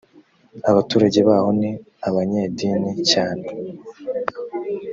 abaturage baho ni abanyedini cyane